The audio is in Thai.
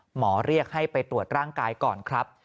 หมอเรียกให้ไปตรวจร่างกายก่อนครับ